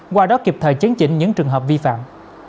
qua đó kịp thời chấn chỉnh những trường hợp vi phạm